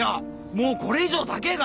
もうこれ以上たけぇ